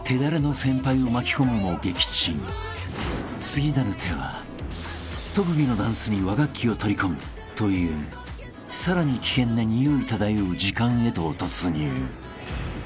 ［次なる手は特技のダンスに和楽器を取り込むというさらに危険なにおい漂う時間へと突入］